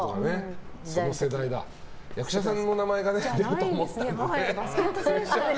役者さんの名前とか出ると思ったら。